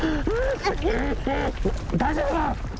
大丈夫か？